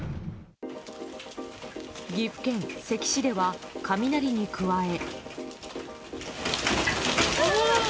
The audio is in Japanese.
岐阜県関市では雷に加え。